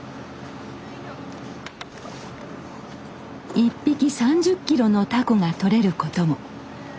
１匹３０ｋｇのタコが取れることも。